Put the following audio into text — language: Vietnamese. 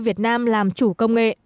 đưa việt nam làm chủ công nghệ